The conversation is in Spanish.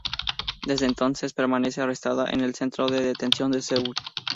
Desde entonces permanece arrestada en el Centro de Detención de Seúl.